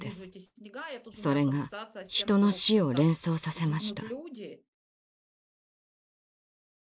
それが人の死を連想させました。